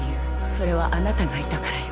それはあなたがいたからよ。